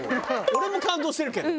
俺も感動してるけど。